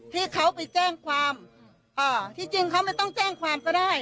ที่เขาไปแจ้งความที่จริงเขาไม่ต้องแจ้งความก็ได้